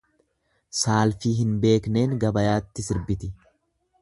Saalfii hin beekneen gabayaatti sirbiti.